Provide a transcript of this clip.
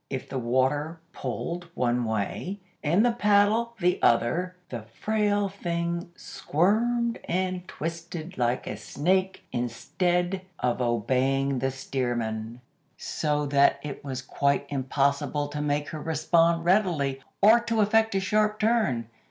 If the water pulled one way and the paddle the other, the frail thing squirmed and twisted like a snake instead of obeying the steersman, so that it was quite impossible to make her respond readily or to effect a sharp turn.